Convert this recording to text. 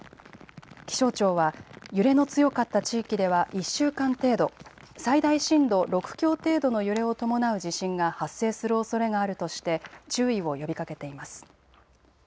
気象庁は揺れの強かった地域では１週間程度、最大震度６強程度の揺れを伴う地震が発生するおそれがあるとして注意を呼びかけています。